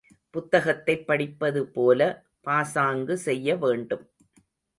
புத்தகத்தைப் படிப்பதுபோல பாசாங்கு செய்ய வேண்டும்.